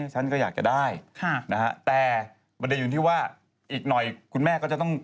ฉันก็อยากจะได้ค่ะนะฮะแต่ประเด็นอยู่ที่ว่าอีกหน่อยคุณแม่ก็จะต้อง